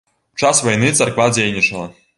У час вайны царква дзейнічала.